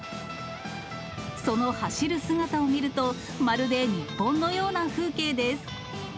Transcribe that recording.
その走る姿を見ると、まるで日本のような風景です。